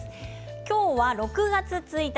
今日は６月１日